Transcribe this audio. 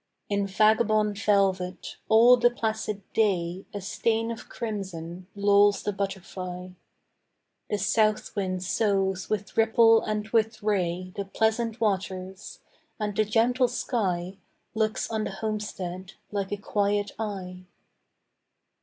In vagabond velvet, all the placid day A stain of crimson, lolls the butterfly; The south wind sows with ripple and with ray The pleasant waters; and the gentle sky Looks on the homestead like a quiet eye.